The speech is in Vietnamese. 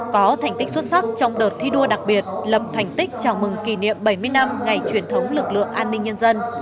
có thành tích xuất sắc trong đợt thi đua đặc biệt lập thành tích chào mừng kỷ niệm bảy mươi năm ngày truyền thống lực lượng an ninh nhân dân